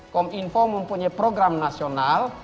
kominfo mempunyai program nasional